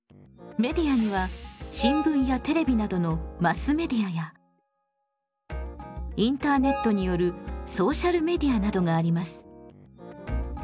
メディアには新聞やテレビなどのマスメディアやインターネットによるソーシャルメディアなどがあります。